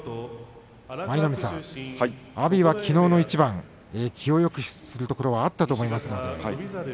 舞の海さん、阿炎はきのうの一番気をよくするところはあったと思います。